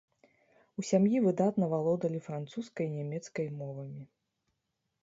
У сям'і выдатна валодалі французскай і нямецкай мовамі.